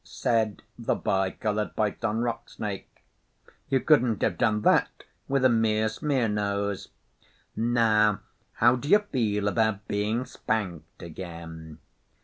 said the Bi Coloured Python Rock Snake. 'You couldn't have done that with a mere smear nose. Now how do you feel about being spanked again?